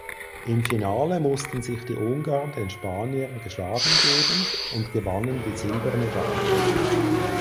Im Finale mussten sich die Ungarn den Spaniern geschlagen geben und gewannen die Silbermedaille.